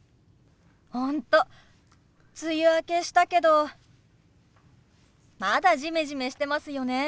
本当梅雨明けしたけどまだジメジメしてますよね。